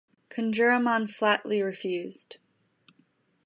Kunjuraman flatly refused.